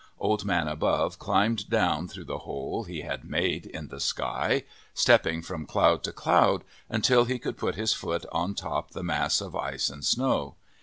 Old Man Above climbed down through the hole he had made in the sky, stepping from cloud to cloud, until he could put his foot on top the mass of ice and snow.